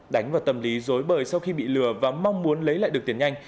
đánh vào tâm lý dối bời sau khi bị lừa và mong muốn lấy lại được tiền nhanh